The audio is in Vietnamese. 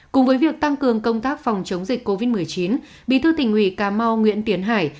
cùng với việc tăng cường công tác phòng chống dịch covid một mươi chín bí thư tỉnh ủy cà mau nguyễn tiến hải